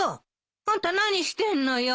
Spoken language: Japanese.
あんた何してんのよ。